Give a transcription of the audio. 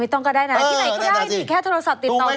ต้องก็ได้นะที่ไหนก็ได้สิแค่โทรศัพท์ติดต่อ